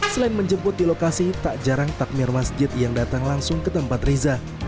selain menjemput di lokasi tak jarang takmir masjid yang datang langsung ke tempat riza